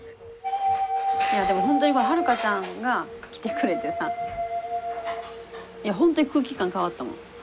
いやでもほんとに晴香ちゃんが来てくれてさいやほんとに空気感変わったもん。